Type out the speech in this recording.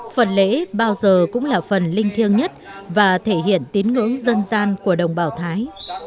phần lễ bao giờ cũng là phần linh thiêng nhất và thể hiện tín ngưỡng dân gian của đồng bào thái